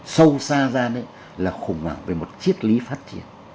sâu xa ra là khủng hoảng về một chiếc lý phát triển